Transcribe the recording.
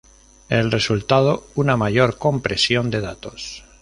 El resultado, una mayor compresión de datos.